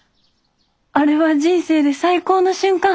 あれは人生で最高の瞬間。